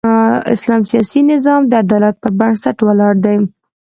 اسلام سیاسي نظام د عدالت پر بنسټ ولاړ دی.